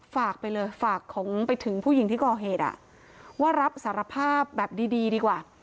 ฝากไปเลยฝากของไปถึงผู้หญิงที่ก่อเหตุว่ารับสารภาพแบบดีดีดีกว่า